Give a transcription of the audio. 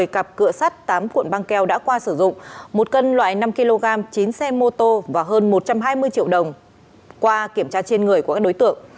một mươi cặp cựa sắt tám cuộn băng keo đã qua sử dụng một cân loại năm kg chín xe mô tô và hơn một trăm hai mươi triệu đồng qua kiểm tra trên người của các đối tượng